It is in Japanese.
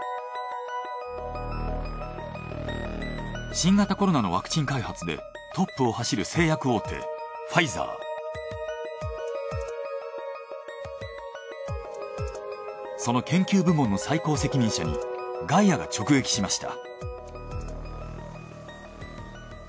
新型コロナのワクチン開発でトップを走る製薬大手その研究部門の最高責任者に「ガイア」が直撃しました。